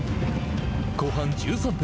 後半１３分。